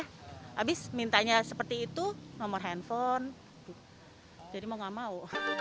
habis mintanya seperti itu nomor handphone jadi mau gak mau